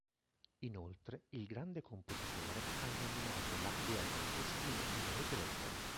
Inoltre il grande compositore ha nominato la De Amicis in numerose lettere.